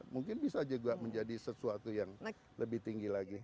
mungkin bisa juga menjadi sesuatu yang lebih tinggi lagi